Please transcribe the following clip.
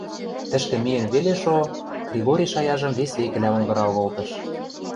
Тӹшкӹ миэн веле шо, Кригори шаяжым вес векӹлӓ онгырал колтыш.